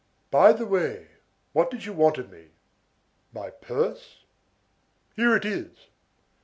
By the way, what did you want of me? My purse? Here it is."